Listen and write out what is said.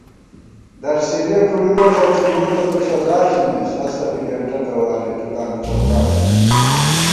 درسېرِیَہ کھُڑِکہ ݭَڅی مو تہ تُو سزا ݪِمېس * ہستہ بی گېنٹہ تواری تُو تانُو چوکاٹہ نُن